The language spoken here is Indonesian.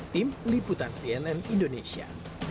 tim liputan cnn indonesia